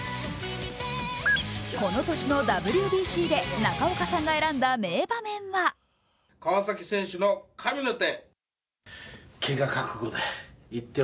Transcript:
この年のＷＢＣで、中岡さんが選んだ名場面は川崎選手の神の手。